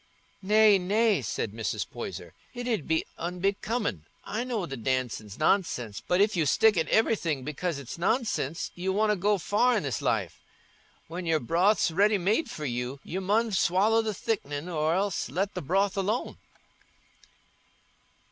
"Nay, nay," said Mrs. Poyser, "it 'ud be unbecomin'. I know the dancin's nonsense, but if you stick at everything because it's nonsense, you wonna go far i' this life. When your broth's ready made for you, you mun swallow the thickenin', or else let the broth alone."